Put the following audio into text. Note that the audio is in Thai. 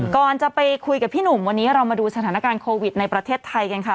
ก่อนจะไปคุยกับพี่หนุ่มวันนี้เรามาดูสถานการณ์โควิดในประเทศไทยกันค่ะ